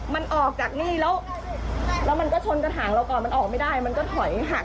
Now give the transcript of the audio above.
มันออกจากนี่แล้วมันก็ชนกระถางเราก่อนมันออกไม่ได้มันก็ถอยหัก